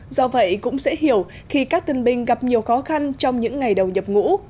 do vậy cũng dễ hiểu khi các tân binh gặp nhiều khó khăn trong những ngày đầu nhập ngũ